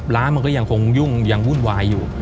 ร้านมันก็ยังคงยุ่งยังวุ่นวายอยู่